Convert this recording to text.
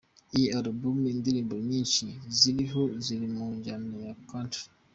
Iyi album, indirimbo nyinshi ziriho ziri mu njyana ya country.